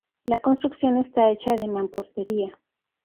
La construcción está hecha de mampostería.